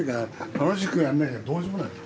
楽しくやんなきゃどうしようもない。